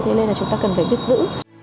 thế nên là chúng ta cần phải biết giữ